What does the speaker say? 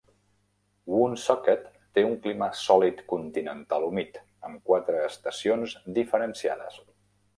Woonsocket té un clima sòlid continental humit, amb quatre estacions diferenciades.